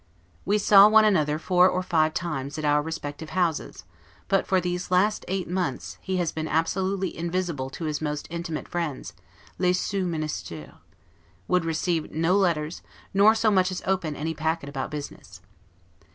We saw one another four or five times, at our respective houses; but for these last eight months, he has been absolutely invisible to his most intimate friends, 'les sous Ministres': he would receive no letters, nor so much as open any packet about business.